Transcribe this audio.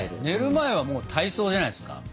寝る前はもう体操じゃないですか？